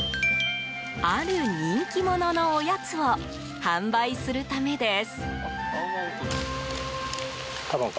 ある人気者のおやつを販売するためです。